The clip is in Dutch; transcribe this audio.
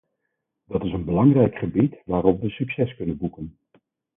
Dat is een belangrijk gebied waarop we succes kunnen boeken.